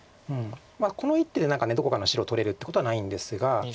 この一手で何かどこかの白を取れるっていうことはないんですが。